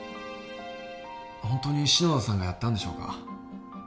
本当に篠田さんがやったんでしょうか？